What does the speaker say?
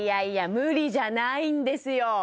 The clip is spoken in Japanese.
無理じゃないんですよ